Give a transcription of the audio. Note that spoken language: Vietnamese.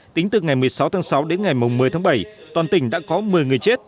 tính từ ngày một mươi sáu tháng sáu đến ngày một mươi tháng bảy toàn tỉnh đã có một mươi người chết